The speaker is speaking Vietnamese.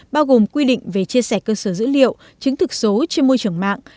bao gồm quy định về chia sẻ cơ sở dữ liệu chứng thực số trên môi trường mạng